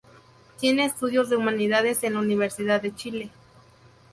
Tiene estudios de Humanidades en la Universidad de Chile.